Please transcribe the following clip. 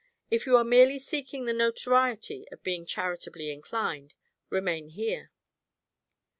If you are merely seeking the notoriety of being charitably inclined, remain here."